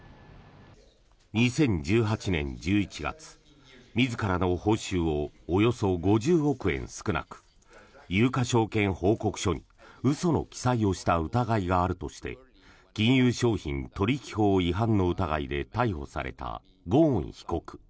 ２０１８年１１月、自らの報酬をおよそ５０億円少なく有価証券報告書に嘘の記載をした疑いがあるとして金融商品取引法違反の疑いで逮捕されたゴーン被告。